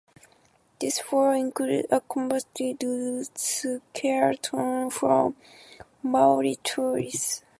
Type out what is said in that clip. This floor includes a composite dodo skeleton, from Mauritius.